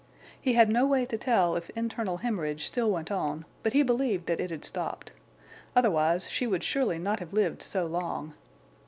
He had no way to tell if internal hemorrhage still went on, but he believed that it had stopped. Otherwise she would surely not have lived so long.